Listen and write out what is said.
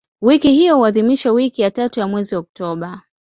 Wiki hiyo huadhimishwa wiki ya tatu ya mwezi Oktoba.